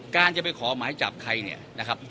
การจะไปขอหมายจับใครเนี่ยนะครับ